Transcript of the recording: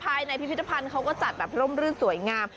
ภายในพิพิธภัณฑ์เขาก็จัดแบบร่มรื่นสวยงาม